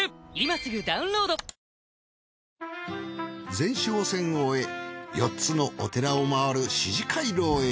前哨戦を終え４つのお寺を回る四寺廻廊へ。